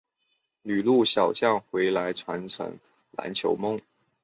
旅陆小将回来传承篮球梦